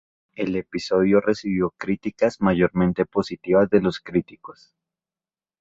El episodio recibió críticas mayormente positivas de los críticos.